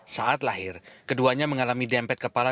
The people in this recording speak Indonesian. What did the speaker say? saat lahir keduanya mengalami dempet kepala